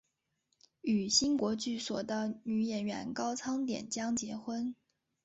与新国剧所的女演员高仓典江结婚。